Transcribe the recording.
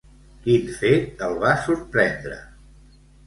Quin fet el va sorprendre?